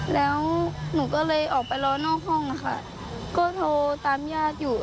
แล้วหนูก็เลยออกไปรอนอกห้องค่ะก็โทรตามญาติอยู่